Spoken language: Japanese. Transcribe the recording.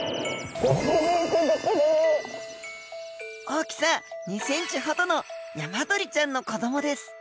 大きさ２ｃｍほどのヤマドリちゃんの子どもです。